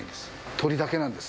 鶏だけなんです。